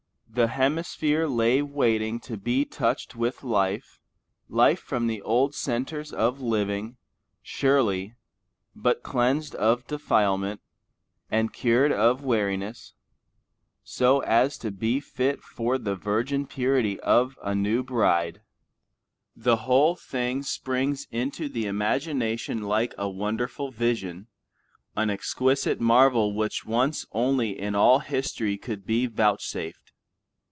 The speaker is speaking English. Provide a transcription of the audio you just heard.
The hemisphere lay waiting to be touched with life, life from the old centres of living, surely, but cleansed of defilement, and cured of weariness, so as to be fit for the virgin purity of a new bride. The whole thing springs into the imagination like a wonderful vision, an exquisite marvel which once only in all history could be vouchsafed.